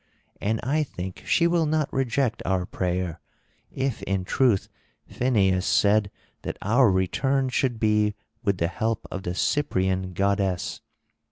And I think she will not reject our prayer, if in truth Phineus said that our return should be with the help of the Cyprian goddess.